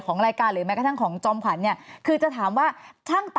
ของรายการหรือแม้จ้างจมขันจะถามว่าช่างตัด